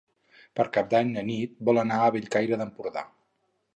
Per Cap d'Any na Nit vol anar a Bellcaire d'Empordà.